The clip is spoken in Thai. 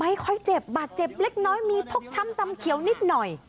ค่อยเจ็บบาดเจ็บเล็กน้อยมีพกช้ำตำเขียวนิดหน่อย